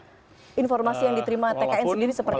tapi informasi yang diterima tkn sendiri seperti apa